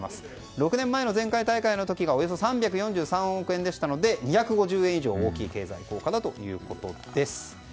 ６年前の前回大会の時がおよそ３４３億円でしたので２５０億円以上大きい経済効果だということです。